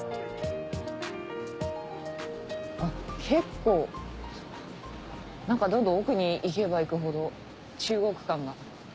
結構どんどん奥に行けば行くほど中国感が。